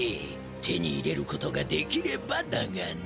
手に入れることができればだがな。